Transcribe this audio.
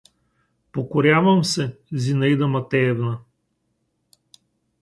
— Покорявам се, Зинаида Матвеевна.